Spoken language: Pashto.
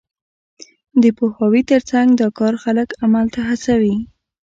د پوهاوي تر څنګ، دا کار خلک عمل ته هڅوي.